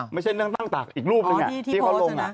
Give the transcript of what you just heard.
ไม่ใช่นั่งตั้งตากอีกรูปหนึ่งที่เขาลง